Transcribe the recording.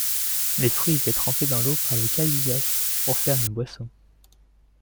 Les fruits étaient trempés dans l’eau par les Cahuillas pour faire une boisson.